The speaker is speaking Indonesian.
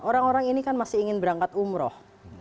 orang orang ini kan masih ingin berangkat umroh